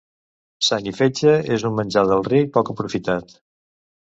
Sang i fetge és un menjar del ric poc aprofitat.